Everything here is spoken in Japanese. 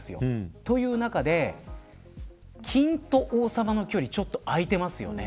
そういう中で、金と王様の距離ちょっと開いてますよね。